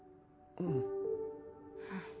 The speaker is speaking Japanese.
うん。